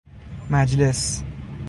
مجلس